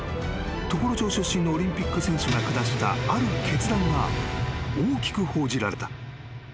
［常呂町出身のオリンピック選手が下したある決断が大きく報じられた］